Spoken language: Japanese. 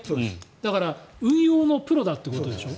だから運用のプロだってことでしょ。